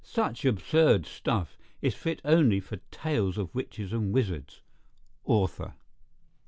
Such absurd stuff is fit only for tales of witches and wizards.—Author.